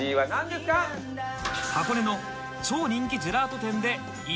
箱根の超人気ジェラート店で１位当て